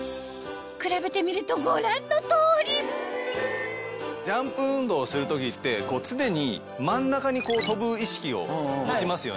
比べてみるとご覧の通りジャンプ運動をする時って常に真ん中に跳ぶ意識を持ちますよね。